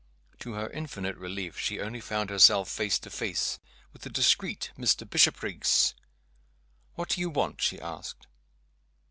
To her infinite relief, she only found herself face to face with the discreet Mr. Bishopriggs. "What do you want?" she asked.